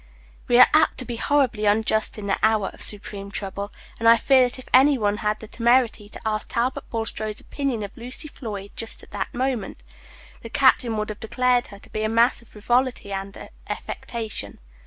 We are apt to be horribly unjust in the hour of supreme trouble, and I fear that if any one had had the temerity to ask Talbot Bulstrode's opinion of Lucy Floyd just at that moment, the captain would have declared her to be a mass of frivolity and affectation.